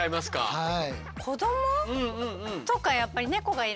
はい。